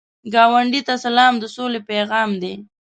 ګاونډي ته سلام، د سولې پیغام دی